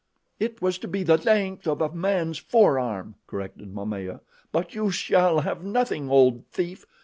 "It was to be the length of a man's forearm," corrected Momaya, "but you shall have nothing, old thief.